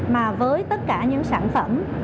mà với tất cả những sản phẩm